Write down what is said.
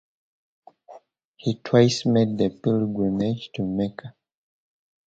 He twice made the pilgrimage to Mecca.